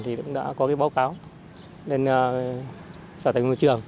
thì đã có báo cáo nên xả thành nguyên trường